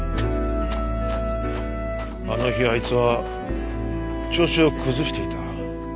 あの日あいつは調子を崩していた。